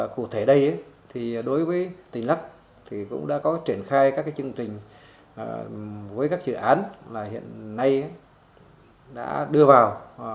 cụ thể đây thì đối với tỉnh lắc thì cũng đã có triển khai các chương trình với các dự án là hiện nay đã đưa vào